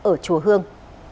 ở chùa hương